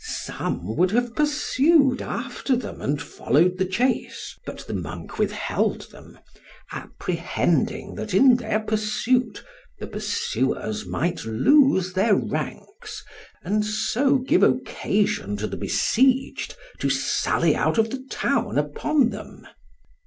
Some would have pursued after them and followed the chase, but the monk withheld them, apprehending that in their pursuit the pursuers might lose their ranks, and so give occasion to the besieged to sally out of the town upon them.